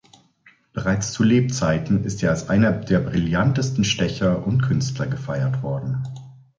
Bereits zu Lebzeiten ist er als einer der brillantesten Stecher und Künstler gefeiert worden.